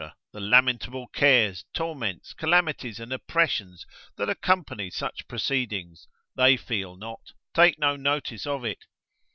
the lamentable cares, torments, calamities, and oppressions that accompany such proceedings, they feel not, take no notice of it.